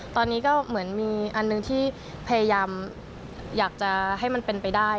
ตอนนี้ก็เหมือนมีอันหนึ่งที่พยายามอยากจะให้มันเป็นไปได้